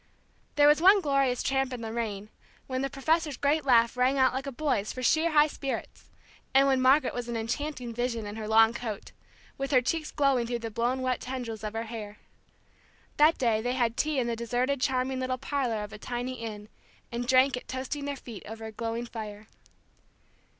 There was one glorious tramp in the rain, when the professor's great laugh rang out like a boy's for sheer high spirits, and when Margaret was an enchanting vision in her long coat, with her cheeks glowing through the blown wet tendrils of her hair. That day they had tea in the deserted charming little parlor of a tiny inn, and drank it toasting their feet over a glowing fire.